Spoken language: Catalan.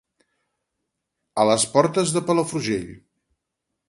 A les portes de Palafrugell.